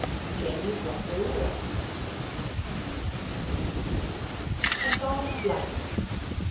JAMES RUSSELL LOWELL. A PSALM OF LIFE.